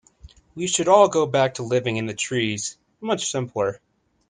We should all go back to living in the trees, much simpler.